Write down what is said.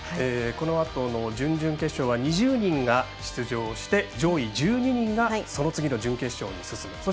このあとの準々決勝は２０人が出場して上位１２人がその次の準決勝に進む。